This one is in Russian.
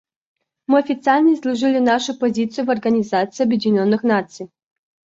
Мы официально изложили нашу позицию в Организации Объединенных Наций.